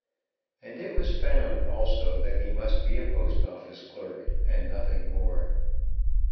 And it was found also that he must be a Post Office clerk, and nothing more.